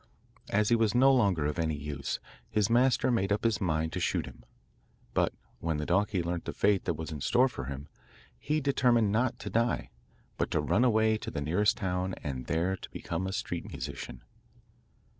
As he was no longer of any use, his master made up his mind to shoot him; but when the donkey learnt the fate that was in store for him, he determined not to die, but to run away to the nearest town and there to become a street musician.